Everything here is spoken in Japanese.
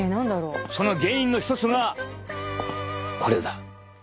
その原因の一つがこれだ。